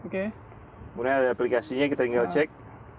kemudian ada aplikasinya kita tinggal cek